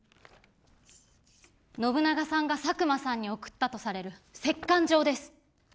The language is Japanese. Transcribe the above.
信長さんが佐久間さんに送ったとされる折かん状です。